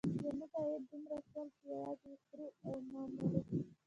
زموږ عایدات دومره شول چې یوازې وخوره او مه مره.